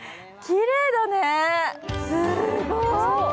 きれいだね、すごい！